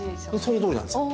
そのとおりなんですよ。